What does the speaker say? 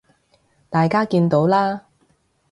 大家見到啦